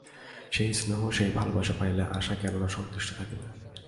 সেই স্নেহ সেই ভালোবাসা পাইলে আশা কেন না সন্তুষ্ট থাকিবে।